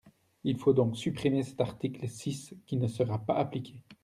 Il faut donc supprimer cet article six qui ne sera pas appliqué.